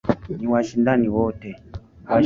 washindani wote.